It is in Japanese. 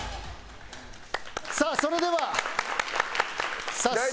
さあそれでは早速。